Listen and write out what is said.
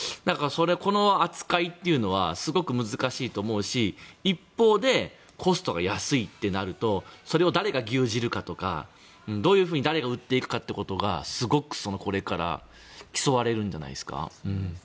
この扱いというのはすごく難しいと思うし一方で、コストが安いとなるとそれを誰が牛耳るかとか誰がどういうふうに売っていくかとかすごくこれから競われるんじゃんないですか。